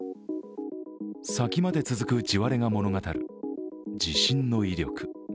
先まで続く地割れが物語る地震の威力。